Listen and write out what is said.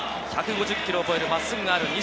１５０キロを超える真っすぐがある西。